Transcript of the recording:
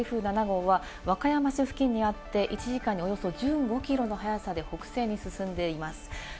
現在の状況ですが、台風７号は和歌山市付近にあって１時間におよそ１５キロの速さで北西に進んでいます。